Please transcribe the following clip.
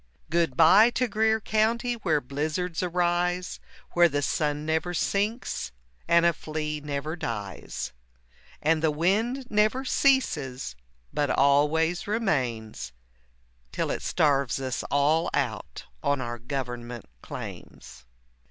Good bye to Greer County where blizzards arise, Where the sun never sinks and a flea never dies, And the wind never ceases but always remains Till it starves us all out on our government claims.